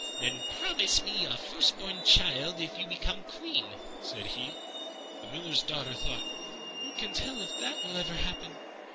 "Then promise me your first born child if you become Queen," said he. The Miller's daughter thought, "Who can tell if that will ever happen?"